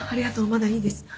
まだいいです。